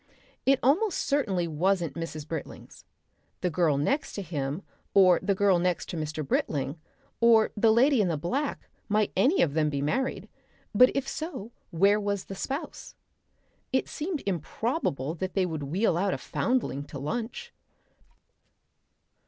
It almost certainly wasn't Mrs. Britling's. The girl next to him or the girl next to Mr. Britling or the lady in black might any of them be married, but if so where was the spouse? It seemed improbable that they would wheel out a foundling to lunch....